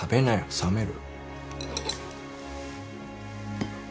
冷める。